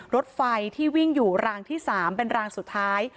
รถไฟที่วิ่งอยู่รางที่๓เป็นรางสุดท้าย